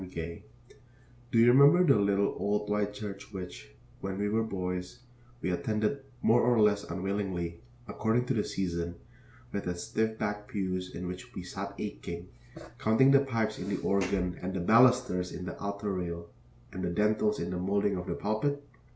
Gay Do you remember the little old white church which, when we were boys, we attended more or less unwillingly, according to the season, with its stiff backed pews in which we sat aching, counting the pipes in the organ and the balusters in the altar rail and the dentils in the moulding of the pulpit?